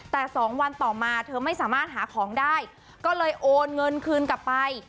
แต่๒วันต่อมาเธอไม่สามารถหาของได้ก็เลยโอนเงินคืนกลับไป